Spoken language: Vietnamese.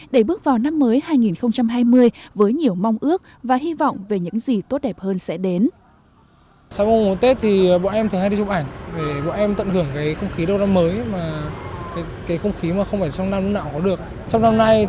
để bước vào năm mới hai nghìn hai mươi với nhiều mong ước và hy vọng về những gì tốt đẹp nhất